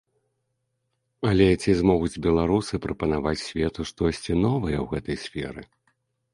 Але ці змогуць беларусы прапанаваць свету штосьці новае ў гэтай сферы?